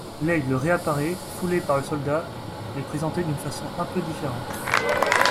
L'aigle réapparaît, foulé par le soldat, mais présenté d'une façon un peu différente.